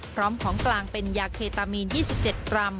พร้อมของกลางเป็นยาเคตามีน๒๗กรัม